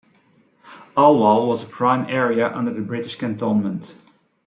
Alwal was a prime area under the British Cantonment.